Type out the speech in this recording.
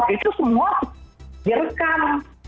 itu semua direkam